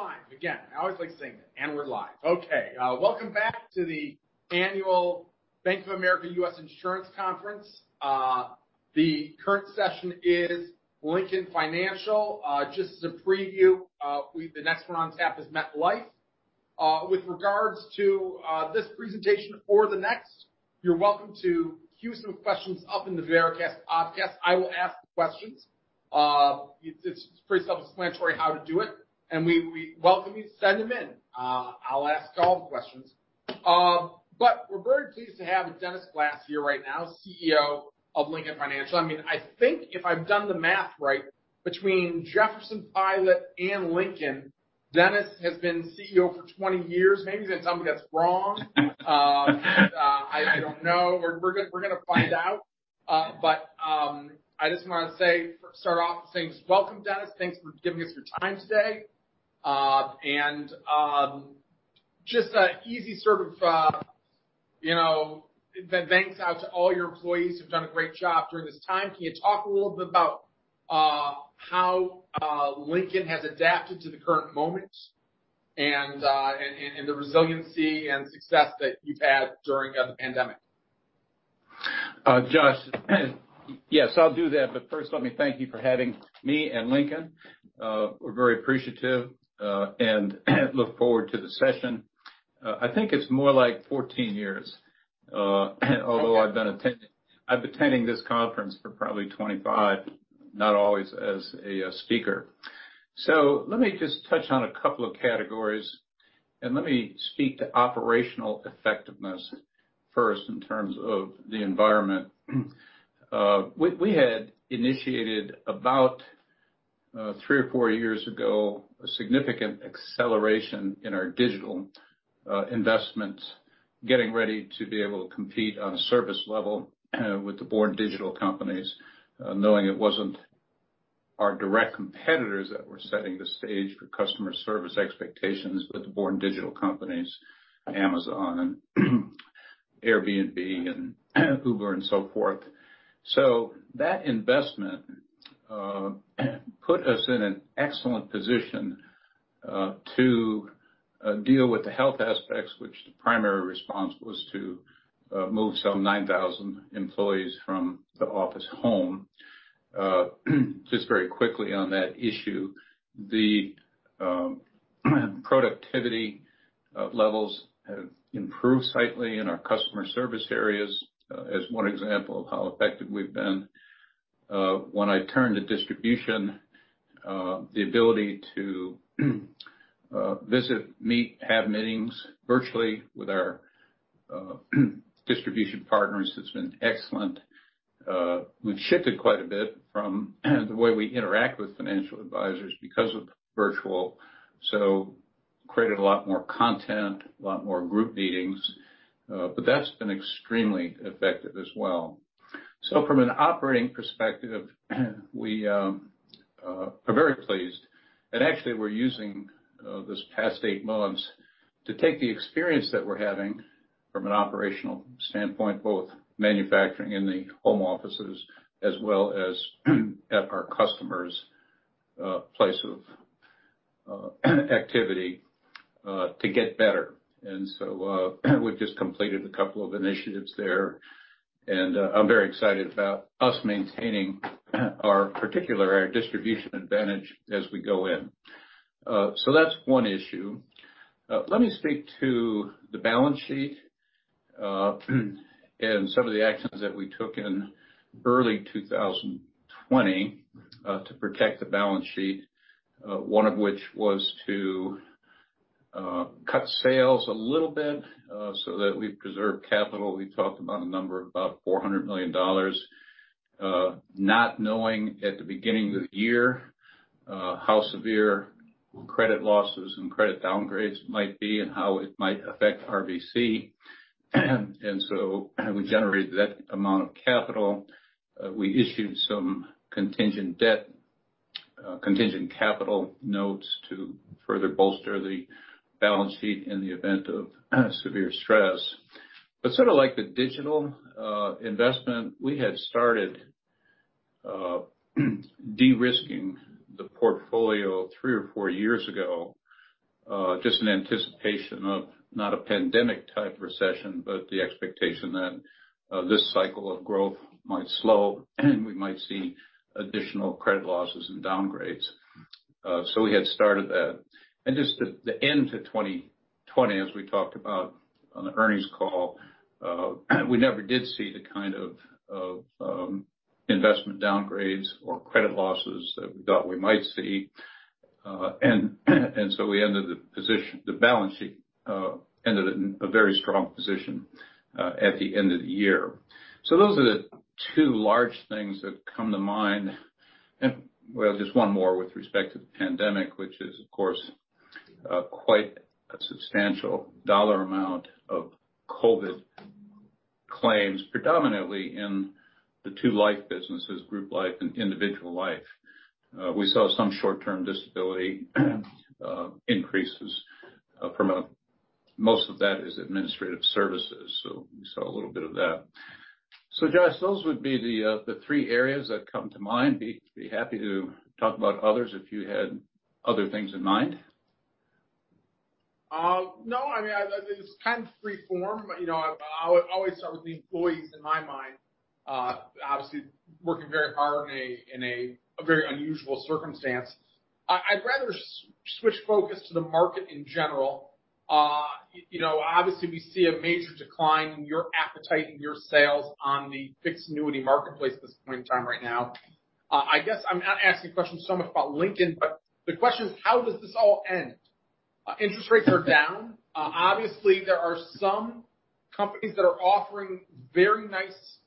We're live again. I always like saying that. We're live. Welcome back to the Annual Bank of America U.S. Insurance Conference. The current session is Lincoln Financial. Just as a preview, the next one on tap is MetLife. With regards to this presentation or the next, you're welcome to queue some questions up in the Veracast Oddcast. I will ask the questions. It's pretty self-explanatory how to do it, and we welcome you to send them in. I'll ask all the questions. We're very pleased to have Dennis Glass here right now, CEO of Lincoln Financial. I think if I've done the math right, between Jefferson-Pilot and Lincoln, Dennis has been CEO for 20 years. Maybe he's going to tell me that's wrong. I don't know. We're going to find out. I just want to start off with saying welcome, Dennis. Thanks for giving us your time today. Just an easy thanks out to all your employees who've done a great job during this time. Can you talk a little bit about how Lincoln has adapted to the current moment and the resiliency and success that you've had during the pandemic? Josh, yes, I'll do that, first let me thank you for having me and Lincoln. We're very appreciative, and look forward to the session. I think it's more like 14 years, although I've been attending this conference for probably 25, not always as a speaker. Let me just touch on a couple of categories, and let me speak to operational effectiveness first in terms of the environment. We had initiated, about 3 or 4 years ago, a significant acceleration in our digital investments, getting ready to be able to compete on a service level with the born digital companies, knowing it wasn't our direct competitors that were setting the stage for customer service expectations, but the born digital companies, Amazon, Airbnb, and Uber and so forth. That investment put us in an excellent position to deal with the health aspects, which the primary response was to move some 9,000 employees from the office home. Just very quickly on that issue, the productivity levels have improved slightly in our customer service areas as one example of how effective we've been. When I turn to distribution, the ability to visit, meet, have meetings virtually with our distribution partners has been excellent. We've shifted quite a bit from the way we interact with financial advisors because of virtual, so created a lot more content, a lot more group meetings. That's been extremely effective as well. From an operating perspective, we are very pleased. Actually, we're using this past eight months to take the experience that we're having from an operational standpoint, both manufacturing in the home offices as well as at our customers' place of activity to get better. So we've just completed a couple of initiatives there, and I'm very excited about us maintaining our distribution advantage as we go in. That's one issue. Let me speak to the balance sheet and some of the actions that we took in early 2020 to protect the balance sheet. One of which was to cut sales a little bit so that we preserve capital. We talked about a number of about $400 million, not knowing at the beginning of the year how severe credit losses and credit downgrades might be and how it might affect RBC. So we generated that amount of capital. We issued some contingent capital notes to further bolster the balance sheet in the event of severe stress. Sort of like the digital investment, we had started de-risking the portfolio three or four years ago, just in anticipation of not a pandemic type recession, but the expectation that this cycle of growth might slow, and we might see additional credit losses and downgrades. We had started that. Just the end to 2020, as we talked about on the earnings call, we never did see the kind of investment downgrades or credit losses that we thought we might see. So we ended the balance sheet ended at a very strong position at the end of the year. Those are the two large things that come to mind. Just one more with respect to the pandemic, which is, of course, quite a substantial dollar amount of COVID claims, predominantly in the two life businesses, group life and individual life. Most of that is administrative services. We saw a little bit of that. Josh, those would be the three areas that come to mind. Be happy to talk about others if you had other things in mind. No. It's kind of free form, but I always start with the employees in my mind. Obviously, working very hard in a very unusual circumstance. I'd rather switch focus to the market in general. We see a major decline in your appetite, in your sales on the fixed annuity marketplace at this point in time right now. I guess I'm not asking questions so much about Lincoln, but the question is, how does this all end? Interest rates are down. There are some companies that are offering very nice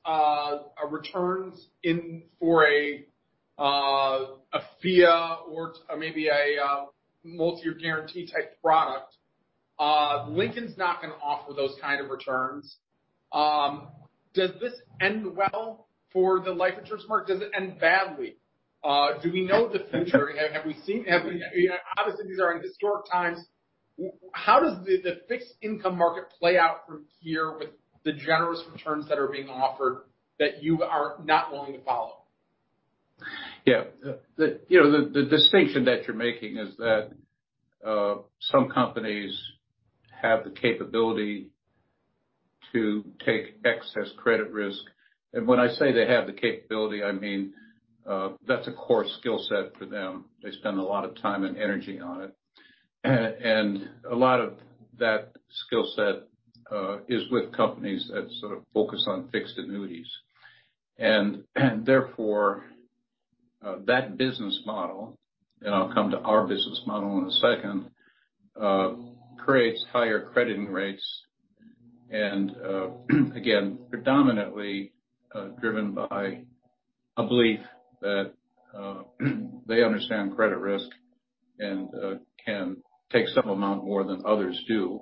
returns for a FIA or maybe a multi-year guarantee type product. Lincoln's not going to offer those kind of returns. Does this end well for the life insurance market? Does it end badly? Do we know the future? These are historic times. How does the fixed income market play out from here with the generous returns that are being offered that you are not willing to follow? Yeah. The distinction that you're making is that some companies have the capability to take excess credit risk. When I say they have the capability, I mean, that's a core skill set for them. They spend a lot of time and energy on it. A lot of that skill set is with companies that sort of focus on fixed annuities. Therefore, that business model, and I'll come to our business model in a second, creates higher crediting rates and, again, predominantly, driven by a belief that they understand credit risk and can take some amount more than others do.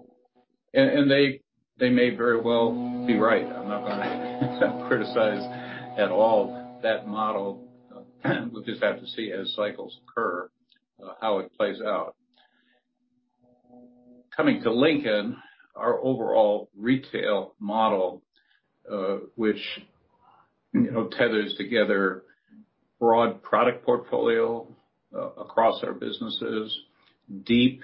They may very well be right. I'm not going to criticize at all that model. We'll just have to see as cycles occur, how it plays out. Coming to Lincoln, our overall retail model, which tethers together broad product portfolio across our businesses, deep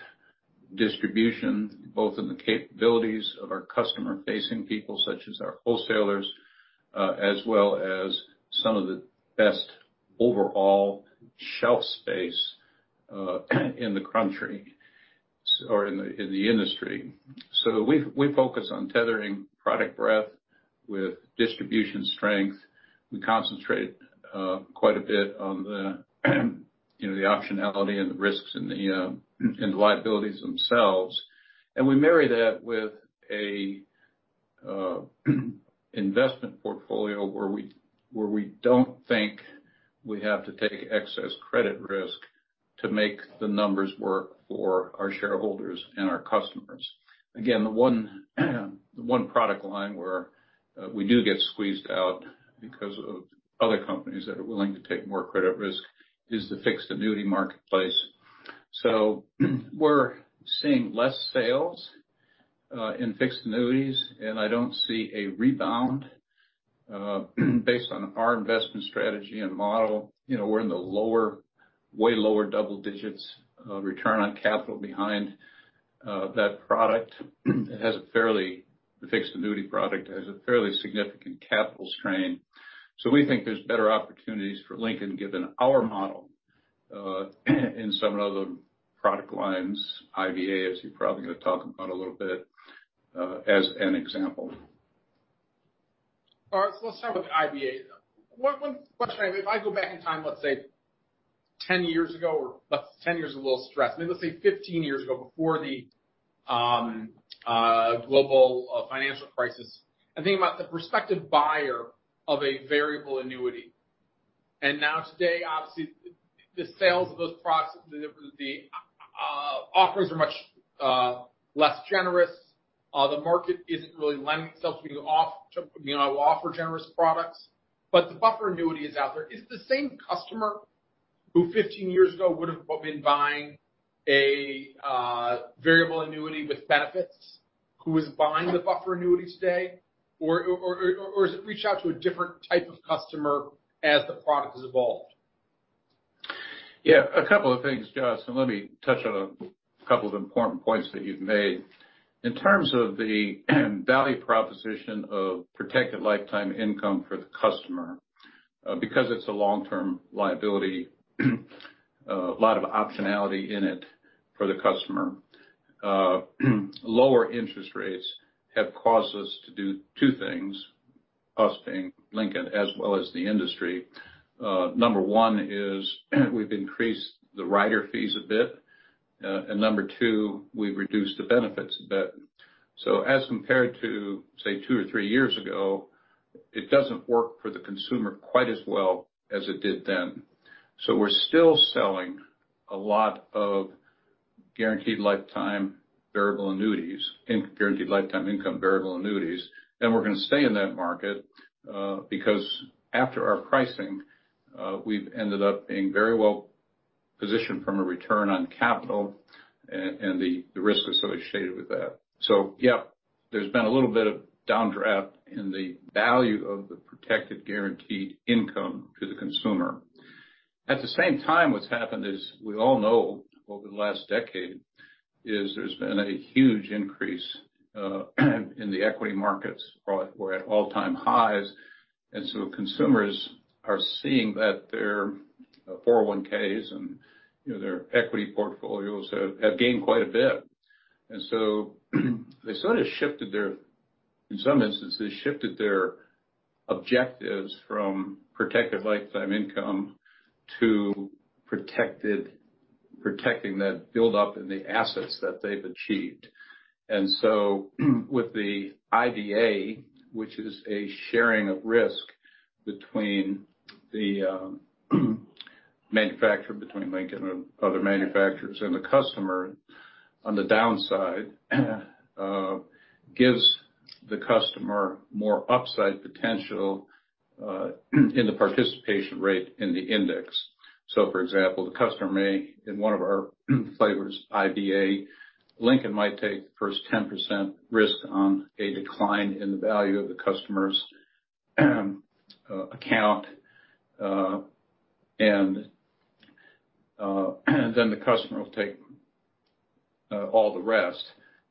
distribution, both in the capabilities of our customer-facing people such as our wholesalers, as well as some of the best overall shelf space in the industry. We focus on tethering product breadth with distribution strength. We concentrate quite a bit on the optionality and the risks and the liabilities themselves. We marry that with an investment portfolio where we don't think we have to take excess credit risk to make the numbers work for our shareholders and our customers. Again, the one product line where we do get squeezed out because of other companies that are willing to take more credit risk is the fixed annuity marketplace. We're seeing less sales in fixed annuities, and I don't see a rebound based on our investment strategy and model. We're in the way lower double digits of return on capital behind that product. The fixed annuity product has a fairly significant capital strain. We think there's better opportunities for Lincoln given our model in some of the product lines, IVA, as you're probably going to talk about a little bit, as an example. All right. Let's start with IVA. One question, if I go back in time, let's say 10 years ago, or 10 years is a little stretched. Maybe let's say 15 years ago before the global financial crisis, think about the prospective buyer of a variable annuity. Now today, obviously, the sales of those products, the offers are much less generous. The market isn't really lending itself to being able to offer generous products, the buffer annuity is out there. Is it the same customer who 15 years ago would've been buying a variable annuity with benefits who is buying the buffer annuity today? Is it reach out to a different type of customer as the product has evolved? Yeah. A couple of things, Josh, let me touch on a couple of important points that you've made. In terms of the value proposition of protected lifetime income for the customer, because it's a long-term liability, a lot of optionality in it for the customer. Lower interest rates have caused us to do two things, us being Lincoln as well as the industry. Number one is we've increased the rider fees a bit. Number two, we've reduced the benefits a bit. As compared to, say, two or three years ago, it doesn't work for the consumer quite as well as it did then. We're still selling a lot of guaranteed lifetime variable annuities and Guaranteed Lifetime Income Variable Annuities, we're going to stay in that market, because after our pricing, we've ended up being very well position from a return on capital and the risk associated with that. Yeah, there's been a little bit of downdraft in the value of the protected guaranteed income to the consumer. At the same time, what's happened is, we all know over the last decade, there's been a huge increase in the equity markets. We're at all-time highs, consumers are seeing that their 401s and their equity portfolios have gained quite a bit. They sort of, in some instances, shifted their objectives from protected lifetime income to protecting that buildup in the assets that they've achieved. With the IVA, which is a sharing of risk between the manufacturer, between Lincoln and other manufacturers, and the customer on the downside, gives the customer more upside potential in the participation rate in the index. For example, the customer may, in one of our flavors, IVA, Lincoln might take the first 10% risk on a decline in the value of the customer's account, the customer will take all the rest.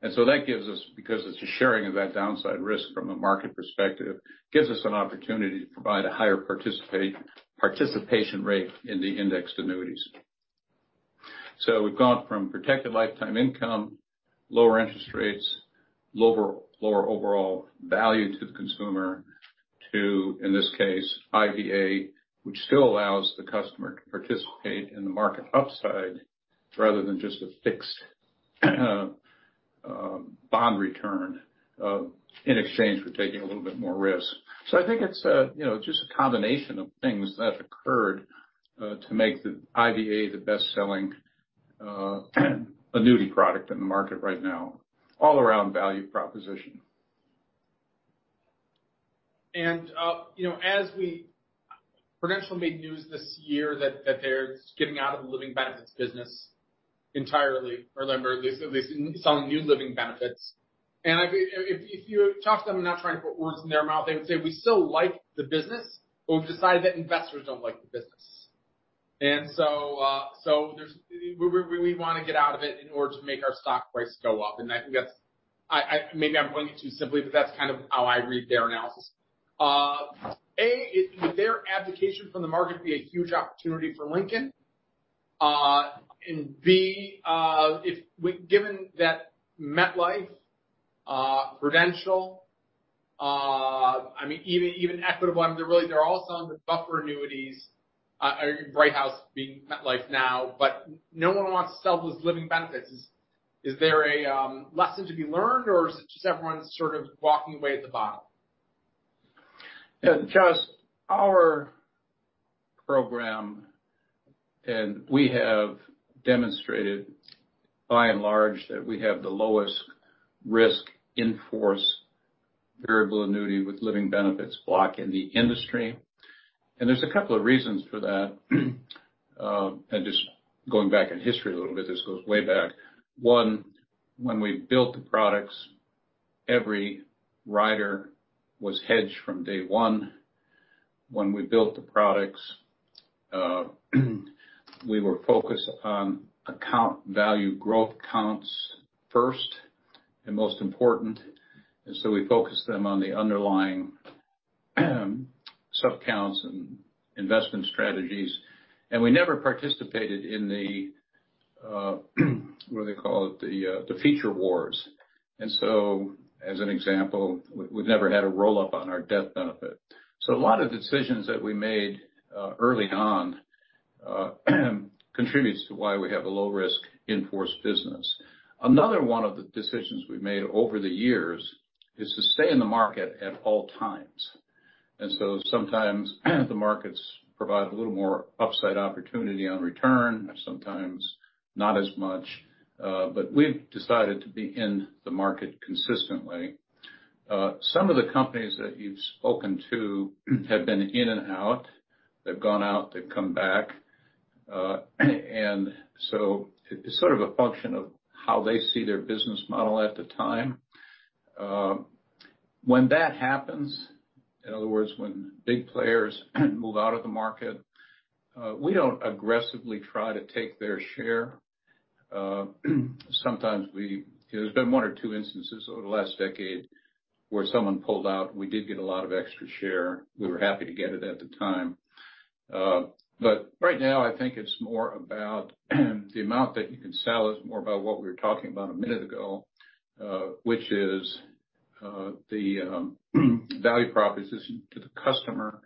That gives us, because it's a sharing of that downside risk from a market perspective, gives us an opportunity to provide a higher participation rate in the indexed annuities. We've gone from protected lifetime income, lower interest rates, lower overall value to the consumer to, in this case, IVA, which still allows the customer to participate in the market upside rather than just a fixed bond return in exchange for taking a little bit more risk. I think it's just a combination of things that have occurred to make the IVA the best-selling annuity product in the market right now, all around value proposition. Prudential made news this year that they're getting out of the living benefits business entirely. Remember, they still sell new living benefits. If you talk to them, I'm not trying to put words in their mouth, they would say, "We still like the business, but we've decided that investors don't like the business. We want to get out of it in order to make our stock price go up." Maybe I'm putting it too simply, but that's kind of how I read their analysis. A, would their abdication from the market be a huge opportunity for Lincoln? B, given that MetLife, Prudential, even Equitable, they're all selling the buffer annuities, Brighthouse being MetLife now, but no one wants to sell those living benefits. Is there a lesson to be learned, or is it just everyone's sort of walking away at the bottom? Josh, our program, we have demonstrated by and large that we have the lowest risk in-force variable annuity with living benefits block in the industry. There's a couple of reasons for that. Just going back in history a little bit, this goes way back. One, when we built the products, every rider was hedged from day one. When we built the products, we were focused on account value growth counts first and most important, we focused them on the underlying subaccounts and investment strategies. We never participated in the, what do they call it? The feature wars. As an example, we've never had a roll-up on our death benefit. A lot of decisions that we made early on contributes to why we have a low risk in-force business. Another one of the decisions we've made over the years is to stay in the market at all times. Sometimes the markets provide a little more upside opportunity on return, sometimes not as much. We've decided to be in the market consistently. Some of the companies that you've spoken to have been in and out. They've gone out, they've come back. It's sort of a function of how they see their business model at the time. When that happens, in other words, when big players move out of the market, we don't aggressively try to take their share. There's been one or two instances over the last decade where someone pulled out, we did get a lot of extra share. We were happy to get it at the time. Right now, I think it's more about the amount that you can sell, it's more about what we were talking about a minute ago, which is the value proposition to the customer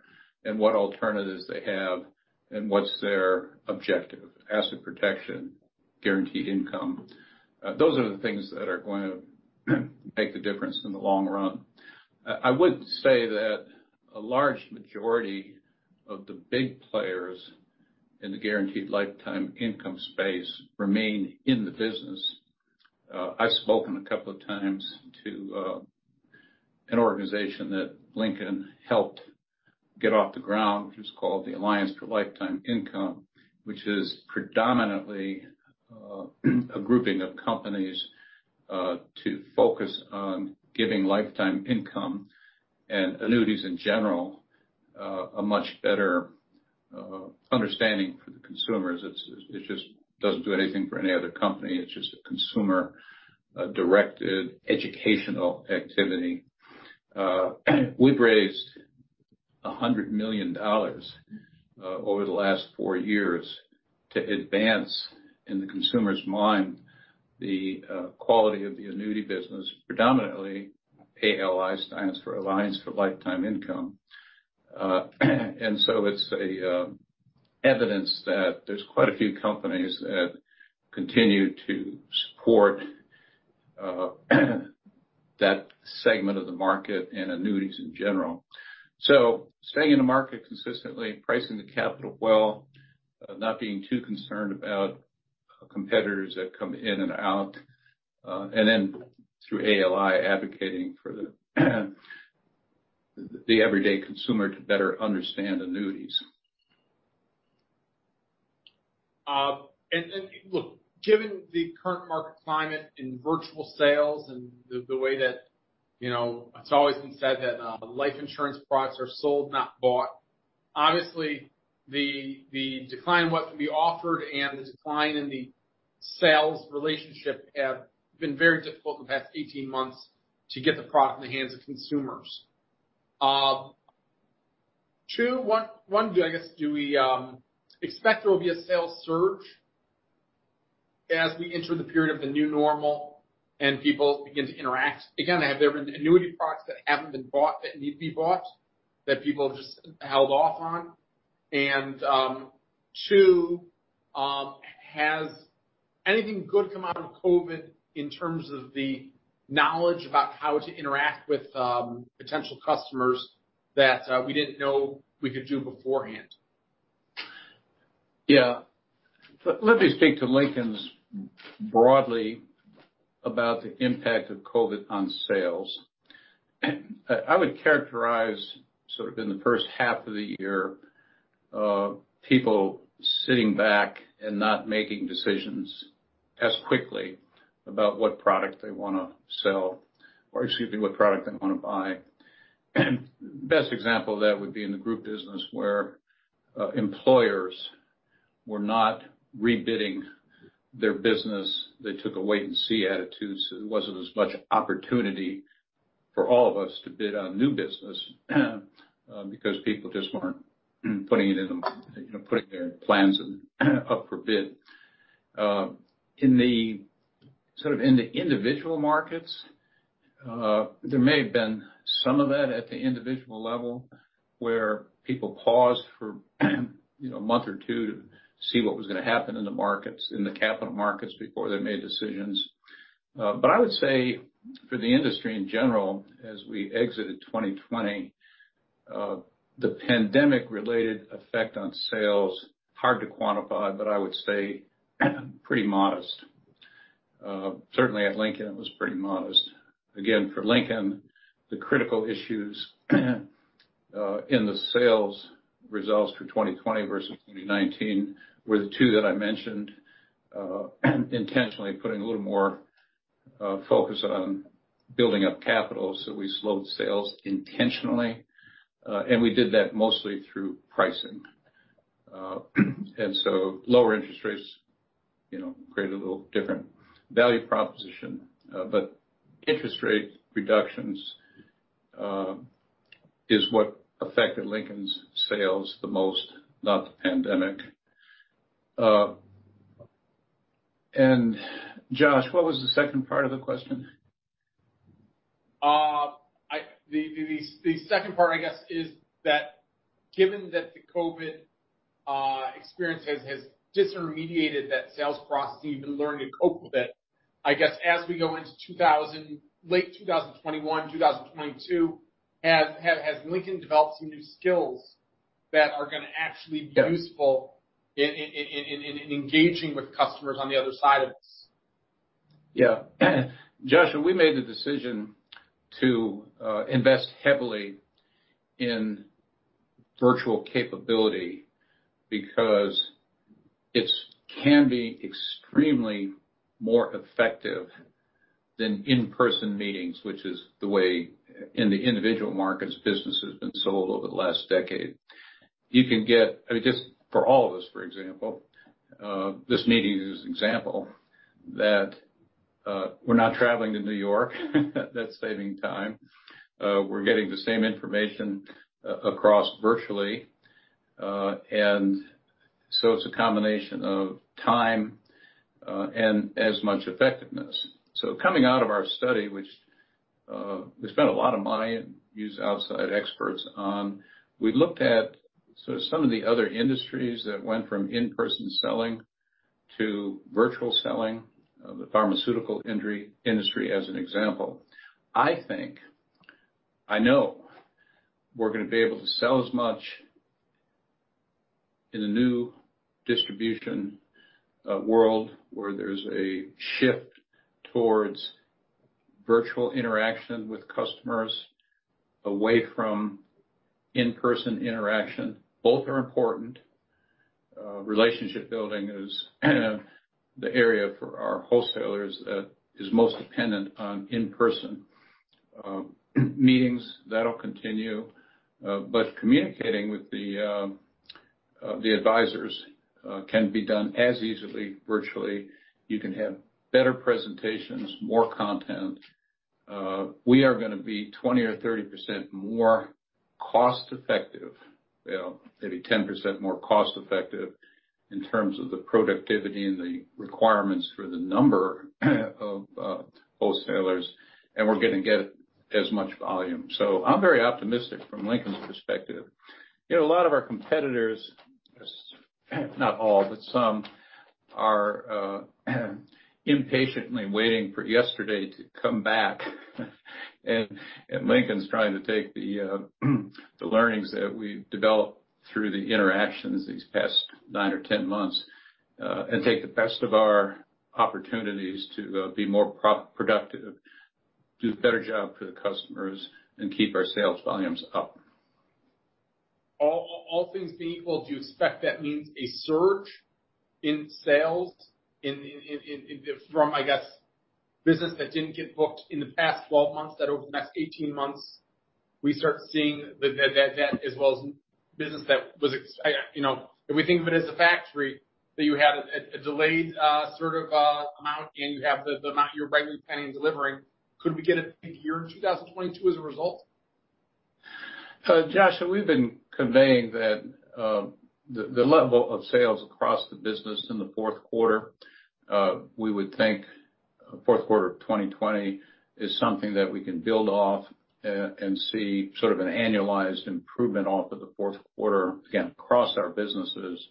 and what alternatives they have and what's their objective. Asset protection, guaranteed income. Those are the things that are going to make the difference in the long run. I would say that a large majority of the big players in the guaranteed lifetime income space remain in the business. I've spoken a couple of times to an organization that Lincoln helped get off the ground, which is called the Alliance for Lifetime Income, which is predominantly a grouping of companies to focus on giving lifetime income and annuities in general, a much better understanding for the consumers. It just doesn't do anything for any other company. It's just a consumer-directed educational activity. We've raised $100 million over the last four years to advance in the consumer's mind the quality of the annuity business, predominantly ALI, stands for Alliance for Lifetime Income. It's evidence that there's quite a few companies that continue to support that segment of the market and annuities in general. Staying in the market consistently, pricing the capital well, not being too concerned about competitors that come in and out, and then through ALI, advocating for the everyday consumer to better understand annuities. Look, given the current market climate in virtual sales and it's always been said that life insurance products are sold, not bought. Obviously, the decline in what can be offered and the decline in the sales relationship have been very difficult the past 18 months to get the product in the hands of consumers. Two, I guess, do we expect there will be a sales surge as we enter the period of the new normal and people begin to interact again? Have there been annuity products that haven't been bought, that need to be bought, that people have just held off on? Two, has anything good come out of COVID in terms of the knowledge about how to interact with potential customers that we didn't know we could do beforehand? Yeah. Let me speak to Lincoln's broadly about the impact of COVID on sales. I would characterize sort of in the first half of the year, people sitting back and not making decisions as quickly about what product they want to sell or, excuse me, what product they want to buy. Best example of that would be in the group business where employers were not rebidding their business. They took a wait and see attitude, so there wasn't as much opportunity for all of us to bid on new business because people just weren't putting their plans up for bid. Sort of in the individual markets, there may have been some of that at the individual level where people paused for a month or two to see what was going to happen in the capital markets before they made decisions. I would say for the industry in general, as we exited 2020, the pandemic related effect on sales, hard to quantify, but I would say pretty modest. Certainly at Lincoln it was pretty modest. Again, for Lincoln, the critical issues in the sales results for 2020 versus 2019 were the two that I mentioned, intentionally putting a little more focus on building up capital so we slowed sales intentionally. We did that mostly through pricing. Lower interest rates created a little different value proposition. Interest rate reductions is what affected Lincoln's sales the most, not the pandemic. Josh, what was the second part of the question? The second part, I guess, is that given that the COVID experience has disintermediated that sales process, even learning to cope with it, I guess, as we go into late 2021, 2022, has Lincoln developed some new skills that are going to actually be useful in engaging with customers on the other side of this? Yeah. Joshua, we made the decision to invest heavily in virtual capability because it can be extremely more effective than in-person meetings, which is the way in the individual markets business has been sold over the last decade. I mean, just for all of us, for example, this meeting is an example that we're not traveling to New York. That's saving time. We're getting the same information across virtually. It's a combination of time, and as much effectiveness. Coming out of our study, which we spent a lot of money and used outside experts on, we looked at some of the other industries that went from in-person selling to virtual selling, the pharmaceutical industry as an example. I know we're going to be able to sell as much In a new distribution world where there's a shift towards virtual interaction with customers away from in-person interaction, both are important. Relationship building is the area for our wholesalers that is most dependent on in-person meetings. That'll continue. Communicating with the advisors can be done as easily virtually. You can have better presentations, more content. We are going to be 20% or 30% more cost-effective. Well, maybe 10% more cost-effective in terms of the productivity and the requirements for the number of wholesalers, and we're going to get as much volume. I'm very optimistic from Lincoln's perspective. A lot of our competitors, not all, but some, are impatiently waiting for yesterday to come back. Lincoln's trying to take the learnings that we've developed through the interactions these past nine or 10 months, and take the best of our opportunities to be more productive, do a better job for the customers, and keep our sales volumes up. All things being equal, do you expect that means a surge in sales from, I guess, business that didn't get booked in the past 12 months, that over the next 18 months we start seeing that, as well as If we think of it as a factory, that you had a delayed sort of amount and you have the amount you're regularly planning delivering, could we get a big year in 2022 as a result? Josh, we've been conveying that the level of sales across the business in the fourth quarter, we would think fourth quarter 2020 is something that we can build off and see sort of an annualized improvement off of the fourth quarter, again, across our businesses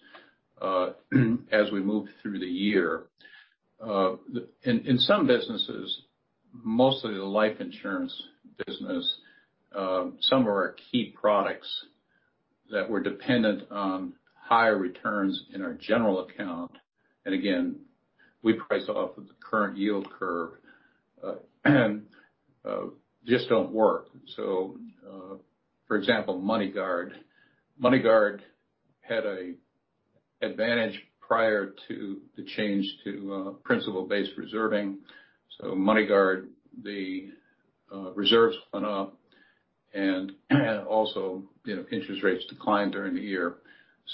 as we move through the year. In some businesses, mostly the life insurance business, some of our key products that were dependent on higher returns in our general account, and again, we price off of the current yield curve, just don't work. For example, MoneyGuard. MoneyGuard had an advantage prior to the change to principle-based reserving. MoneyGuard, the reserves went up and also interest rates declined during the year.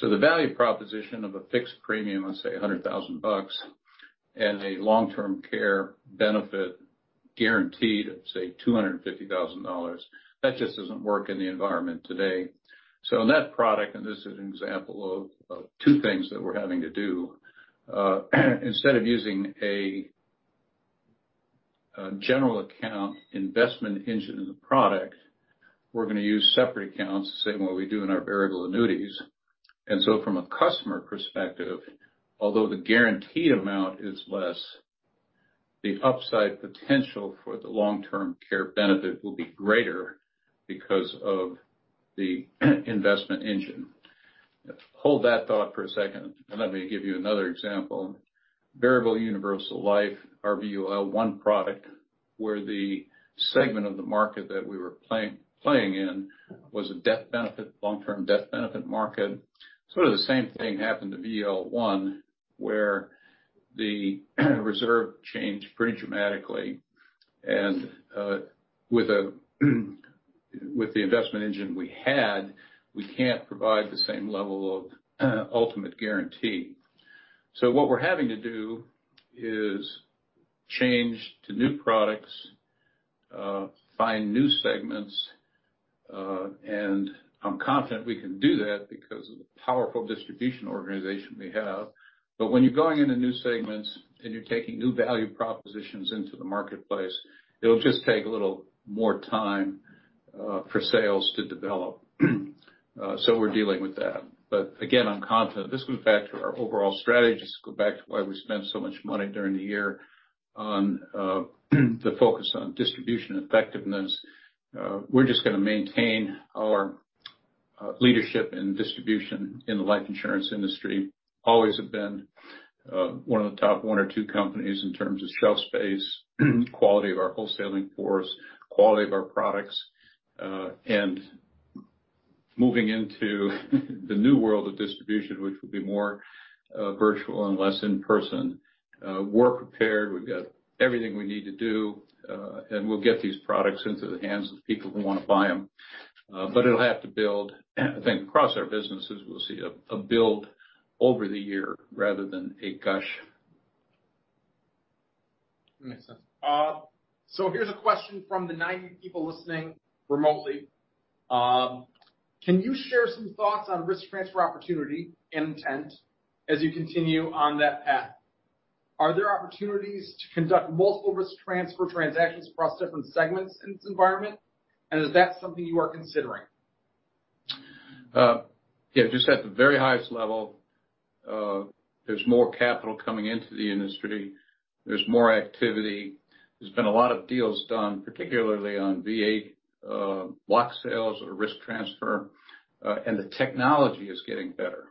The value proposition of a fixed premium, let's say $100,000, and a long-term care benefit guaranteed at, say, $250,000, that just doesn't work in the environment today. In that product, and this is an example of two things that we're having to do. Instead of using a general account investment engine in the product, we're going to use separate accounts the same way we do in our variable annuities. From a customer perspective, although the guaranteed amount is less, the upside potential for the long-term care benefit will be greater because of the investment engine. Hold that thought for a second, and let me give you another example. Variable Universal Life, our VULONE product, where the segment of the market that we were playing in was a long-term death benefit market. Sort of the same thing happened to VULONE, where the reserve changed pretty dramatically. With the investment engine we had, we can't provide the same level of ultimate guarantee. What we're having to do is change to new products, find new segments. I'm confident we can do that because of the powerful distribution organization we have. When you're going into new segments and you're taking new value propositions into the marketplace, it'll just take a little more time for sales to develop. We're dealing with that. Again, I'm confident. This goes back to our overall strategy. This goes back to why we spent so much money during the year on the focus on distribution effectiveness. We're just going to maintain our leadership in distribution in the life insurance industry. Always have been one of the top one or two companies in terms of shelf space, quality of our wholesaling force, quality of our products, and moving into the new world of distribution, which will be more virtual and less in person. We're prepared. We've got everything we need to do. We'll get these products into the hands of people who want to buy them. It'll have to build. I think across our businesses, we'll see a build over the year rather than a gush. Makes sense. Here's a question from the 90 people listening remotely. Can you share some thoughts on risk transfer opportunity intent as you continue on that path? Are there opportunities to conduct multiple risk transfer transactions across different segments in this environment? Is that something you are considering? Yeah. Just at the very highest level, there's more capital coming into the industry. There's more activity. There's been a lot of deals done, particularly on VA block sales or risk transfer, and the technology is getting better.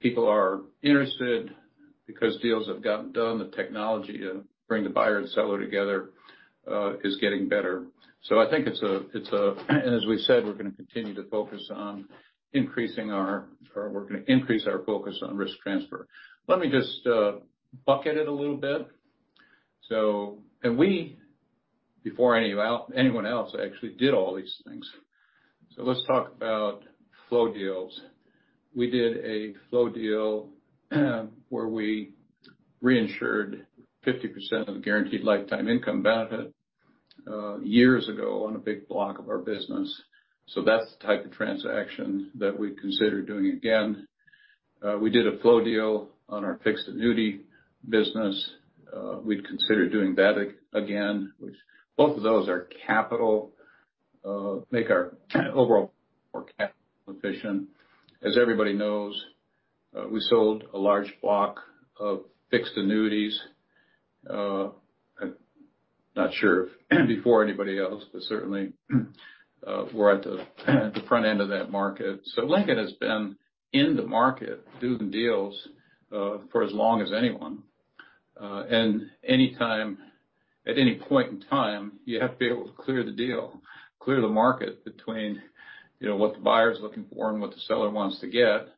People are interested because deals have gotten done, the technology to bring the buyer and seller together, is getting better. I think, as we said, we're going to increase our focus on risk transfer. Let me just bucket it a little bit. We, before anyone else, actually did all these things. Let's talk about flow deals. We did a flow deal where we reinsured 50% of the guaranteed lifetime income benefit, years ago on a big block of our business. That's the type of transaction that we'd consider doing again. We did a flow deal on our fixed annuity business. We'd consider doing that again. Both of those are capital, make our overall more capital efficient. As everybody knows, we sold a large block of fixed annuities, not sure before anybody else, but certainly, we're at the front end of that market. Lincoln has been in the market doing deals for as long as anyone. At any point in time, you have to be able to clear the deal, clear the market between what the buyer's looking for and what the seller wants to get.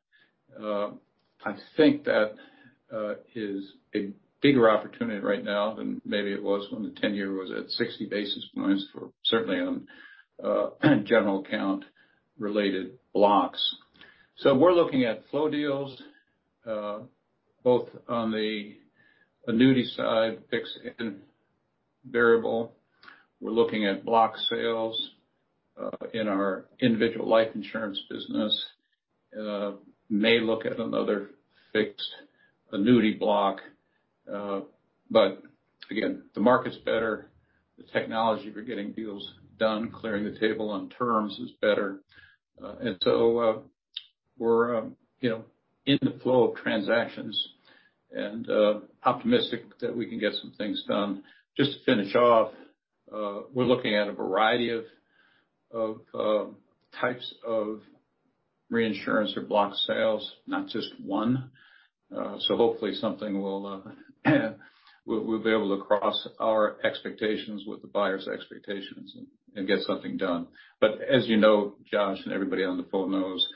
I think that is a bigger opportunity right now than maybe it was when the 10-year was at 60 basis points for certainly on general account related blocks. We're looking at flow deals, both on the annuity side, fixed and variable. We're looking at block sales in our individual life insurance business. May look at another fixed annuity block. Again, the market's better. The technology for getting deals done, clearing the table on terms is better. We're in the flow of transactions and optimistic that we can get some things done. Just to finish off, we're looking at a variety of types of reinsurance or block sales, not just one. Hopefully something, we'll be able to cross our expectations with the buyer's expectations and get something done. As you know, Josh, and everybody on the phone knows,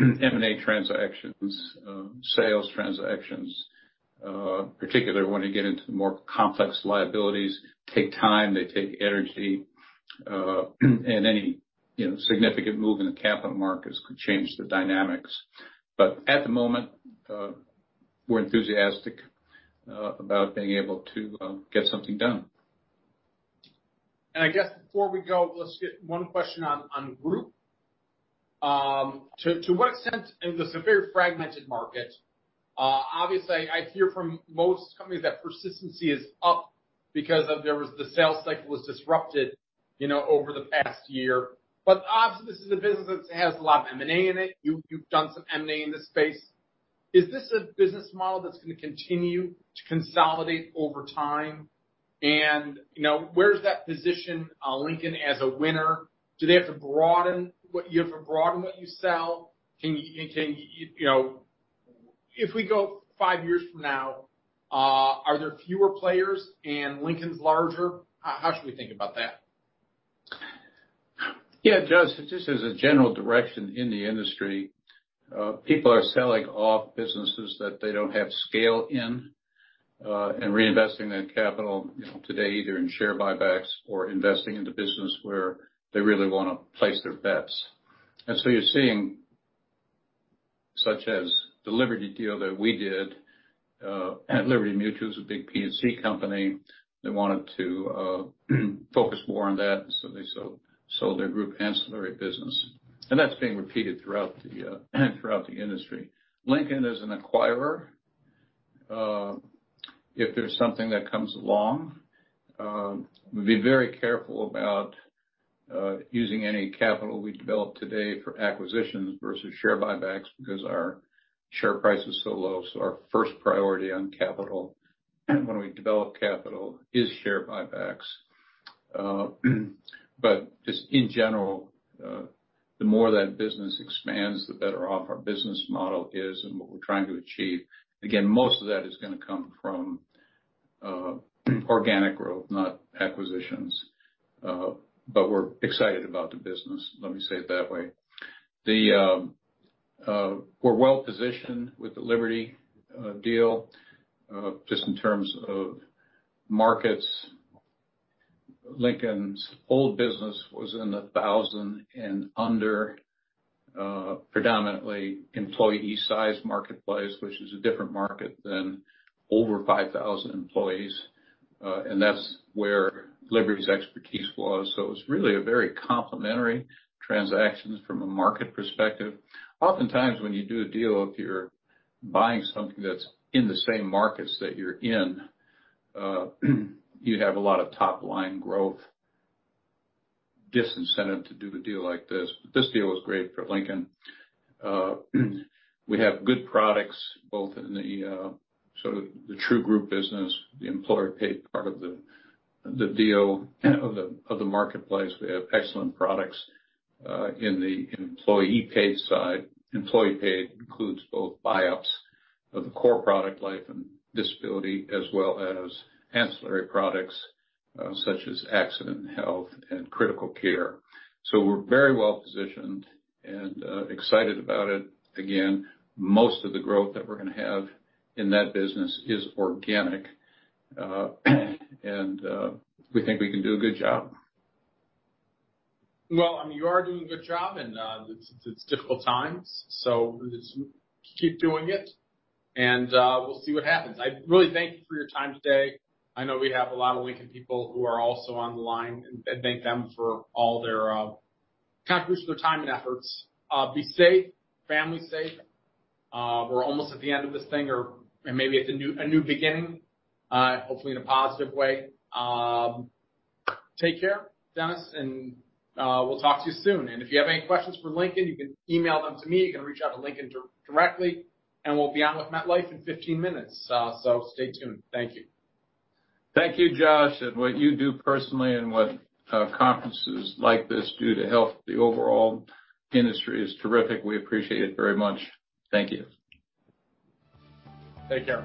M&A transactions, sales transactions, particularly when you get into the more complex liabilities, take time, they take energy, and any significant move in the capital markets could change the dynamics. At the moment, we're enthusiastic about being able to get something done. I guess before we go, let's get one question on Group. To what extent, and this is a very fragmented market, obviously, I hear from most companies that persistency is up because the sales cycle was disrupted over the past year. Obviously, this is a business that has a lot of M&A in it. You've done some M&A in this space. Is this a business model that's going to continue to consolidate over time? Where does that position Lincoln as a winner? Do you have to broaden what you sell? If we go five years from now, are there fewer players and Lincoln's larger? How should we think about that? Yeah, Josh, just as a general direction in the industry, people are selling off businesses that they don't have scale in, and reinvesting that capital today, either in share buybacks or investing in the business where they really want to place their bets. You're seeing, such as the Liberty deal that we did, and Liberty Mutual is a big P&C company. They wanted to focus more on that, so they sold their group ancillary business. That's being repeated throughout the industry. Lincoln is an acquirer. If there's something that comes along, we'd be very careful about using any capital we develop today for acquisitions versus share buybacks because our share price is so low. Our first priority on capital, when we develop capital, is share buybacks. Just in general, the more that business expands, the better off our business model is and what we're trying to achieve. Again, most of that is going to come from organic growth, not acquisitions. We're excited about the business, let me say it that way. We're well-positioned with the Liberty deal, just in terms of markets. Lincoln's old business was in the 1,000 and under, predominantly employee-sized marketplace, which is a different market than over 5,000 employees. That's where Liberty's expertise lies. It's really a very complementary transaction from a market perspective. Oftentimes, when you do a deal, if you're buying something that's in the same markets that you're in, you have a lot of top-line growth disincentive to do a deal like this. This deal was great for Lincoln. We have good products both in the sort of the true group business, the employer-paid part of the deal, of the marketplace. We have excellent products in the employee-paid side. Employee-paid includes both buyups of the core product life and disability, as well as ancillary products such as Accident & Health and Critical Illness. We're very well-positioned and excited about it. Again, most of the growth that we're going to have in that business is organic, and we think we can do a good job. Well, you are doing a good job, and it's difficult times, just keep doing it, and we'll see what happens. I really thank you for your time today. I know we have a lot of Lincoln people who are also on the line, and thank them for all their contributions, their time and efforts. Be safe, family safe. We're almost at the end of this thing or maybe it's a new beginning, hopefully in a positive way. Take care, Dennis, and we'll talk to you soon. If you have any questions for Lincoln, you can email them to me, you can reach out to Lincoln directly, and we'll be on with MetLife in 15 minutes, stay tuned. Thank you. Thank you, Josh. What you do personally and what conferences like this do to help the overall industry is terrific. We appreciate it very much. Thank you. Take care.